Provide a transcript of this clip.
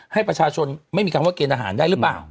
ให้ประชาชนไม่มีคำว่าเกณฑ์อาหารได้หรือเปล่า